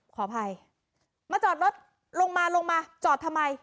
ขออภัยมาจอดรถลงมาลงมาจอดทำไม